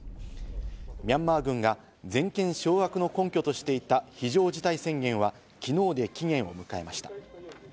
ミャンマー軍が全権掌握の根拠としていた非常事態宣言は、昨日で期限を迎えました。